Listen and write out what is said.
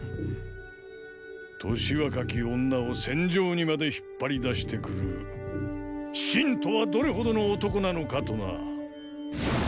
年若き女を戦場にまで引っ張り出してくる信とはどれほどの男なのかとなァ。